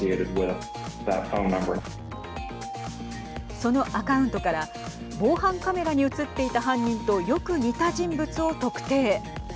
そのアカウントから防犯カメラに映っていた犯人とよく似た人物を特定。